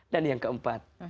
dan yang keempat